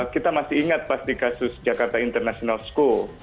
kita masih ingat pas di kasus jakarta international school